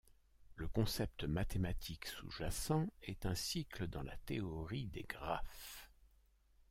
Le concept mathématique sous-jacent est un cycle dans la théorie des graphes.